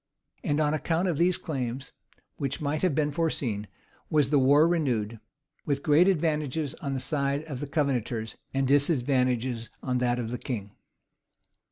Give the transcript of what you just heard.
And on account of these claims, which might have been foreseen, was the war renewed; with great advantages on the side of the Covenanters and disadvantages on that of the king.